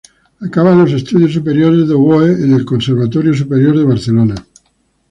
Acaba los estudios superiores de oboe al Conservatorio Superior de Barcelona.